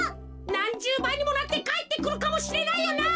なんじゅうばいにもなってかえってくるかもしれないよな。